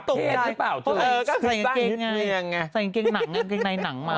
ก็ใส่แข็งเต้งในหนังมา